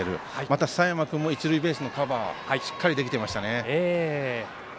また佐山君も一塁ベースのカバーしっかりできていましたね。